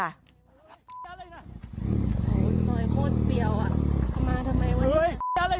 ซอยโคตรเปียวอ่ะมาทำไมวะเนี่ย